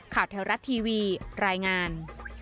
แถวรัฐทีวีรายงาน